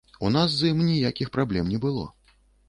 У нас з ім ніякіх праблем не было.